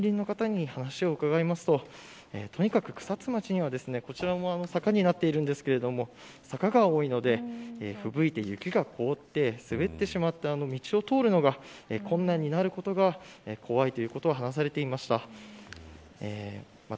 近隣の方に話を伺いますととにかく草津町にはこちらも坂になっているんですが坂が多いのでふぶいて雪が凍って滑ってしまって道を通るのが困難になることが怖いということを話されていました。